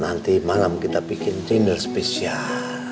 nanti malam kita bikin tinder spesial